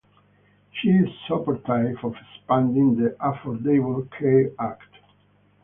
She is supportive of expanding the Affordable Care Act.